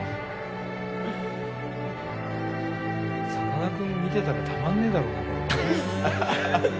さかなクン見てたらたまんねえだろな。